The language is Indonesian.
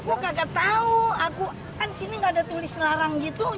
gue kagak tahu aku kan sini gak ada tulis larang gitu